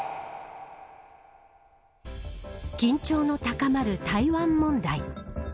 緊張の高まる台湾問題。